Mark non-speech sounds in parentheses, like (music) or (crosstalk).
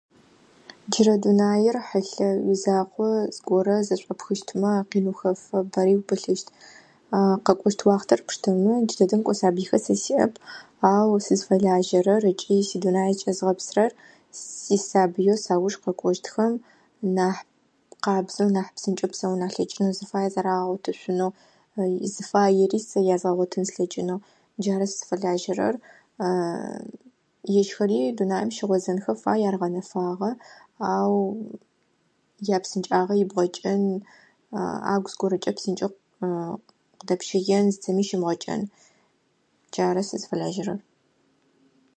Джырэ дунаир хьылъэ изакъо зыгорэ зышъупхыщтмэ къин хэфэ пари пылъыщт. (hesitation) Къэкӏощт уахътэр пштэмэ джыдэдэм кӏо сабихэр сэ сиӏэп. Ау сызфэлажьэрэр ыкӏи сидунаи кӏэзгъэпсырэр сисабыеу саӏужь къэкъощтхэм нахь къабзэу нахь псынкӏэу псэун алъэкӏыны сыфай зэрагъотышъунэу, сызфаери сыгъотын слъэкӏынэу, джары сыфэлажьэрэр. (hesitation) Ежьхэри дунаим щыгъызынхэр фай ар гъэнэфагъэ, ау япсынкӏагъэ ибгъэкӏэн (hesitation) ӏэгу зыгорэ псынкӏэу (hesitation) дэпшъэен зыми щымыгъэджэн. Джары сызфэлэжьэрэр.